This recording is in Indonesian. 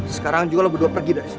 sekarang juga lo berdua pergi dari sini